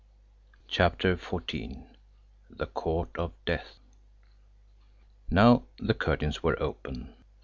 CHAPTER XIV THE COURT OF DEATH Now the curtains were open.